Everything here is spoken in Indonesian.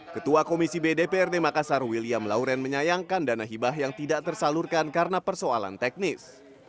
ketua komisi bdprd makassar william lauren menyayangkan dana hibah yang tidak tersalurkan karena persoalan teknis